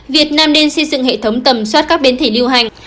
việt nam nên xây dựng hệ thống tầm soát các biến thể lưu hành